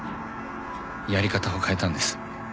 やり方を変えたんです。